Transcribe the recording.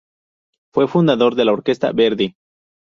Fue fundador de la Orquesta Verdi.